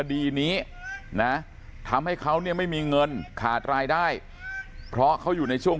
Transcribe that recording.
ดีนี้นะทำให้เขาเนี่ยไม่มีเงินขาดรายได้เพราะเขาอยู่ในช่วง